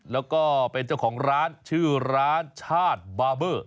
แล้วก็เป็นเจ้าของร้านชื่อร้านชาติบาเบอร์